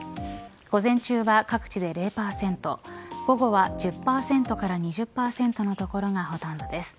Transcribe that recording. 午前中は各地で０％午後は１０％から２０％の所がほとんどです。